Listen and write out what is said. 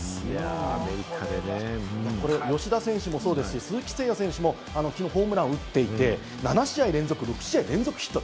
吉田選手もそうですし、鈴木誠也選手もホームランを打っていて、７試合連続、６試合連続ヒット。